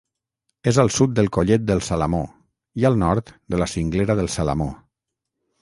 És al sud del Collet del Salamó i al nord de la Cinglera del Salamó.